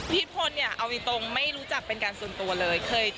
พลเนี่ยเอาจริงไม่รู้จักเป็นการส่วนตัวเลย